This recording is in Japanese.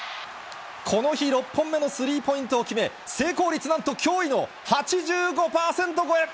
この日６本目のスリーポイントを決め、成功率なんと、驚異の８５％超え。